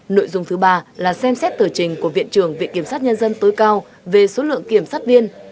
nội dung thứ ba là xem xét tờ trình của viện trưởng viện kiểm sát nhân dân tối cao về số lượng kiểm sát viên